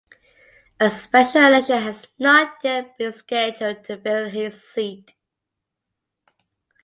A special election has not yet been scheduled to fill his seat.